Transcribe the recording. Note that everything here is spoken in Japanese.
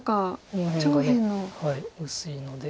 この辺が薄いので。